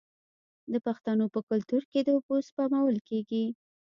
د پښتنو په کلتور کې د اوبو سپمول کیږي.